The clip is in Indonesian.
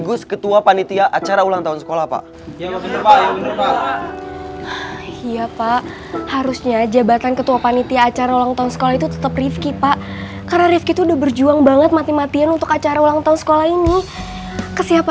mereka mengundurkan diri atas kemauan mereka